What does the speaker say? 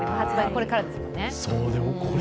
これからですもんね。